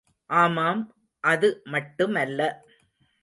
ஆமாம் அது மட்டுமல்ல.